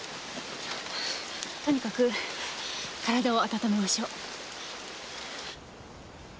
とにかく体を温めましょう。